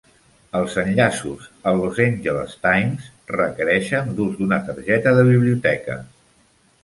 "Els enllaços al "Los Angeles Times" requereixen l'ús d'una targeta de biblioteca"